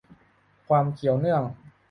ความเกี่ยวเนื่อง